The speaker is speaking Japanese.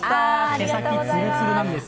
手先、つるつるなんです。